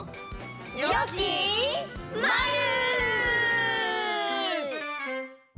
よきまる！